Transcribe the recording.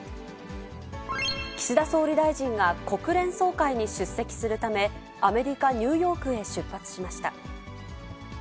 岸田総理大臣が国連総会に出席するため、アメリカ・ニューヨークへ出発しました。